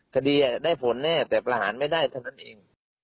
คดีได้ผลแน่แต่ประหารไม่ได้เท่านั้นเอง